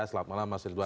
selamat malam mas ridwan